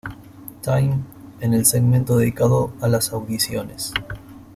Time" en el segmento dedicado a las audiciones.